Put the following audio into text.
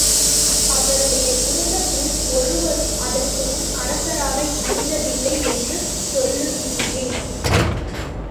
அவருடைய குடும்பத்தில் ஒருவரும் அதற்கு முன் அரசராக இருந்ததில்லை என்று சொல்லுகின்றீர்.